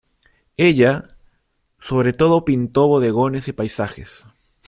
Ella, sobre todo pintó bodegones y paisajes.